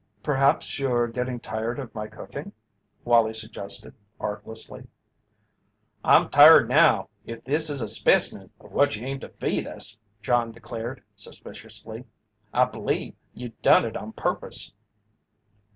"Perhaps you're getting tired of my cooking?" Wallie suggested, artlessly. "I'm tired now if this is a spec'min of what you aim to feed us," John declared, suspiciously. "I bleeve you done it on purpose."